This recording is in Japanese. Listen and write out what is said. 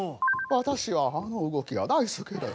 私はあの動きが大好きです。